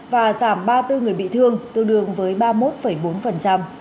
và giảm ba mươi bốn người bị thương tương đương với ba mươi một bốn